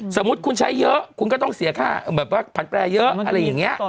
สมมุติคุณใช้เยอะคุณก็ต้องเสียค่าแบบว่าผันแปรเยอะอะไรอย่างนี้